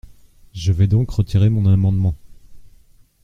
Je vais donc retirer mon amendement.